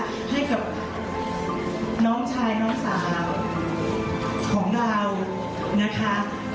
ต้องรวมใจกันนะคะให้กับน้องชายน้องสาวของเรานะคะ